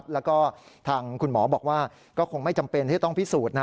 แล้วก็ทางคุณหมอบอกว่าก็คงไม่จำเป็นที่จะต้องพิสูจน์นะ